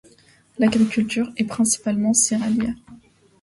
L'agriculture est principalement céréalière.